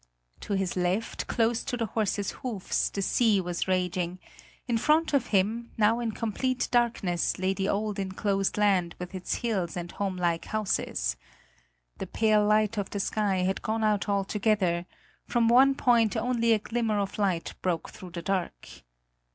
To his left, close to the horse's hoofs, the sea was raging; in front of him, now in complete darkness lay the old enclosed land with its hills and homelike houses. The pale light of the sky had gone out altogether; from one point only a glimmer of light broke through the dark.